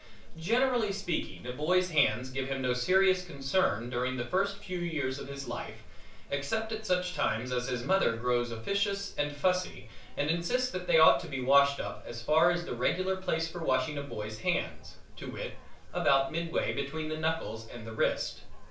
Generally speaking a boy's hands give him no serious concern during the first few years of his life except at such times as his mother grows officious and fussy and insists that they ought to be washed up as far as the regular place for washing a boy's hands, to wit, about midway between the knuckles and the wrist.